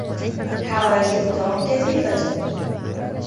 حواجب توم كثيفه